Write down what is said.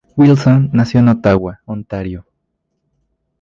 Wilson nació en Ottawa, Ontario.